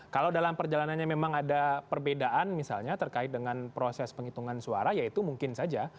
kalau dalam perjalanannya memang ada perbedaan misalnya terkait dengan proses penghitungan suara ya itu mungkin saja